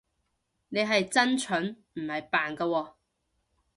你係真蠢，唔係扮㗎喎